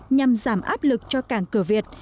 nhằm giảm áp lực cho cảng cửa việt